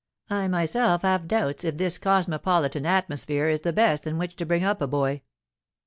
I myself have doubts if this cosmopolitan atmosphere it the best in which to bring up a boy.